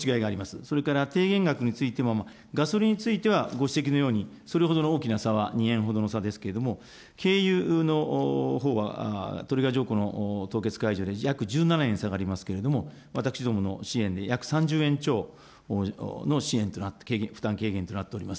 それから、低減額についても、ガソリンについてはご指摘のように、それほどの大きな差は、２円ほどでありますけれども、軽油のほうはトリガー条項の凍結解除で約１７円下がりますけれども、私どもの支援で約３０円超の負担軽減となっております。